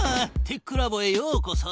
テックラボへようこそ。